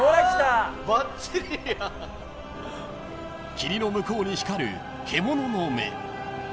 ［霧の向こうに光る獣の目］